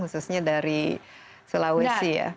khususnya dari sulawesi ya